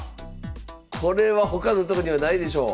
これは他のとこにはないでしょう。